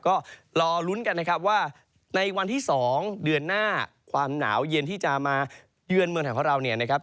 ก็รอลุ้นกันนะครับว่าในวันที่๒เดือนหน้าความหนาวเย็นที่จะมาเยือนเมืองไทยของเราเนี่ยนะครับ